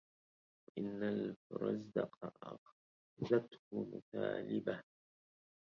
إن الفرزدق أخزته مثالبه